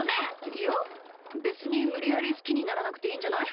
いやべつにむりやりすきにならなくていいんじゃない？